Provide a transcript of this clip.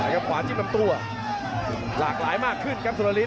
ครับขวาจิ้มลำตัวหลากหลายมากขึ้นครับสุราริส